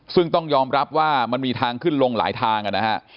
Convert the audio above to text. ซึ่งต้องยอมรับว่ามันมีทางขึ้นลงหลายทางนะฮะ